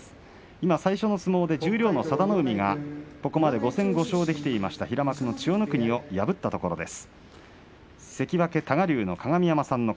今、最初の相撲で十両の佐田の海が、ここまで５戦５勝できていました平幕の千代の国を破ったところです。